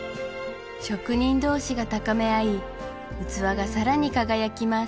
職人同士が高め合い器が更に輝きます